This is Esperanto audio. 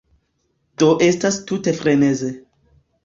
Do estas tute freneze.